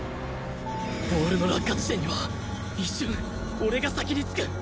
ボールの落下地点には一瞬俺が先に着く